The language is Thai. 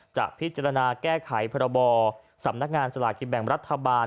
จะพิจารณาแก้ไขพรบสำนักงานสลากินแบ่งรัฐบาล